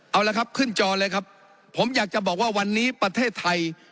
เอาละครับขึ้นจอเลยครับผมอยากจะบอกว่าวันนี้ประเทศไทย